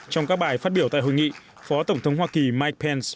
trong các bài phát biểu tại hội nghị phó tổng thống hoa kỳ mike pence